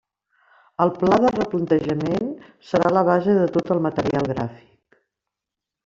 El pla de replantejament serà la base de tot el material gràfic.